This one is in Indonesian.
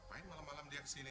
ngapain malam malam dia ke sini